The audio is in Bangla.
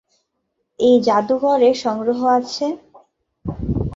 এই জাদুঘরে সংগ্রহ আছে-